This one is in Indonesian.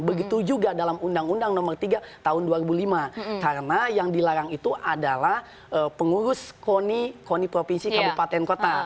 begitu juga dalam undang undang nomor tiga tahun dua ribu lima karena yang dilarang itu adalah pengurus koni koni provinsi kabupaten kota